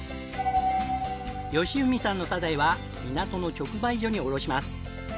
好郁さんのサザエは港の直売所に卸します。